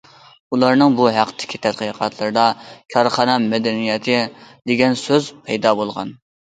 ئۇلارنىڭ بۇ ھەقتىكى تەتقىقاتلىرىدا‹‹ كارخانا مەدەنىيىتى›› دېگەن سۆز پەيدا بولغان.